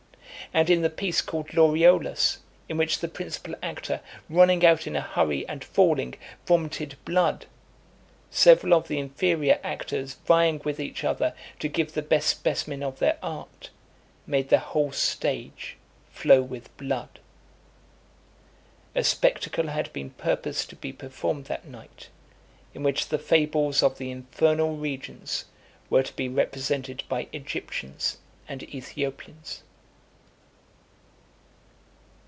And in the piece called Laureolus, in which the principal actor, running out in a hurry, and falling, vomited blood, several of the inferior actors vying with each other to give the best specimen of their art, made the whole stage flow with blood. A spectacle had been purposed to be performed that night, in which the fables of the infernal regions were to be represented by Egyptians and Ethiopians.